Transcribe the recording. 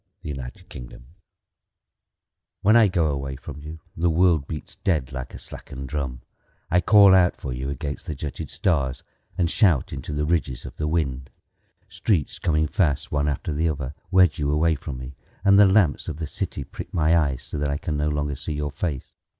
The Taxi When I go away from you The world beats dead Like a slackened drum. I call out for you against the jutted stars And shout into the ridges of the wind. Streets coming fast, One after the other, Wedge you away from me, And the lamps of the city prick my eyes So that I can no longer see your face.